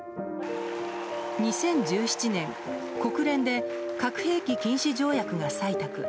２０１７年、国連で核兵器禁止条約が採択。